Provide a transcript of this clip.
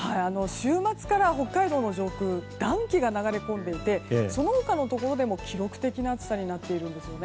週末から北海道の上空暖気が流れ込んでいてその他のところでも記録的な暑さになってるんですよね。